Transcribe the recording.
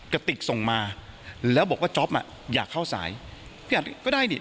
กระติกส่งมาแล้วบอกว่าจ๊อปอ่ะอยากเข้าสายก็ได้นี่